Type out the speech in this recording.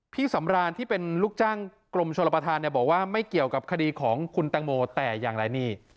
สำรานที่เป็นลูกจ้างกรมชนประธานเนี่ยบอกว่าไม่เกี่ยวกับคดีของคุณตังโมแต่อย่างไรนี่